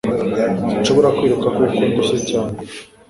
Sinshobora kwiruka kuko ndushye cyane